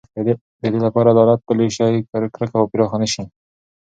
د دې لپاره چې عدالت پلی شي، کرکه به پراخه نه شي.